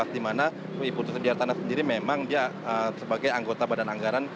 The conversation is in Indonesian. di mana ui putu sudiartana sendiri memang dia sebagai anggota badan anggaran